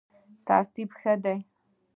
ترتیب ښه دی.